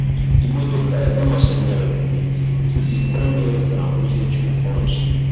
Imodoka zamashanyarazi ntizikora neza mugihe cyubukonje.